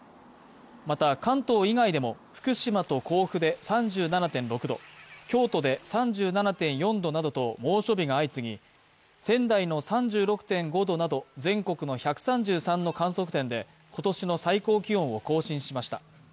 また、関東以外でも福島と甲府で３７．６度、京都で３７．４度などと猛暑日が相次ぎ、仙台の３６．５度など、全国の１３３の観測点で今年の最高気温を更新しました。